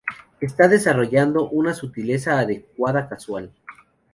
Está desarrollando una sutileza adecuada, casual.